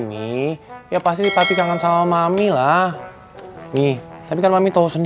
tapi kita bisa menyebrangi barang